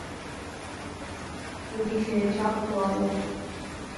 Bhí sé ag teacht abhaile